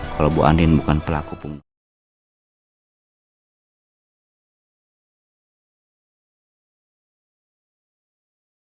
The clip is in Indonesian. kalau bu andin bukan pelaku pembunuhan